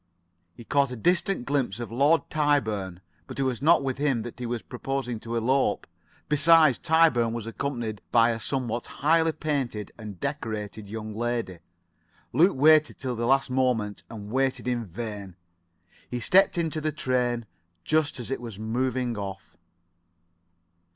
He caught a distant glimpse of Lord Tyburn, but it was not with him that he was proposing to elope. Besides, Tyburn was accompanied by a somewhat highly painted and decorated young lady. Luke waited till the last moment, and waited in vain. He stepped into the train just as it was moving off.